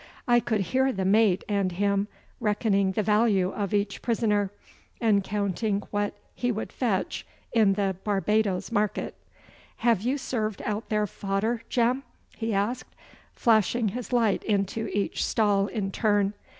I could hear the mate and him reckoning the value of each prisoner, and counting what he would fetch in the Barbadoes market. 'Have you served out their fodder, Jem?' he asked, flashing his light into each stall in turn.